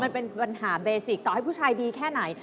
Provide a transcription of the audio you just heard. มันเป็นปัญหาเบสิกต่อให้ผู้ชายดีแค่ไหน